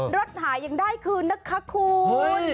รถหายังได้คืนนะคะคุณ